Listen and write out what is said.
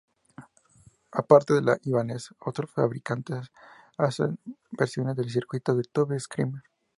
Aparte de Ibanez otros fabricantes hacen versiones del circuito del Tube Screamer.